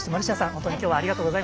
本当に今日はありがとうございました。